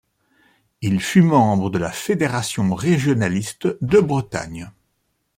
Il fut membre de la Fédération régionaliste de Bretagne.